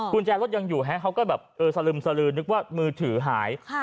กุญแจรถยังอยู่ไงเขาก็แบบเออสลึมนึกว่ามือถือหายค่ะ